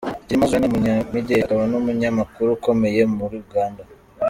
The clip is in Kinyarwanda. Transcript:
Kirema Zuena, ni umunyamideli akaba n’umunyamakuru ukomeye muri Uganda.